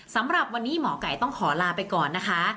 สำหรับวันนี้หมอไก่ต้องขอลาไปก่อนนะคะ